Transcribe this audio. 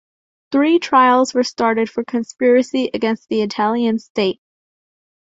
Three trials were started for conspiracy against the Italian state.